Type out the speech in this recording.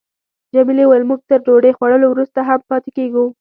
جميلې وويل: موږ تر ډوډۍ خوړلو وروسته هم پاتېږو.